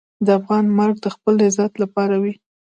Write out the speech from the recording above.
د افغان مرګ د خپل عزت لپاره وي.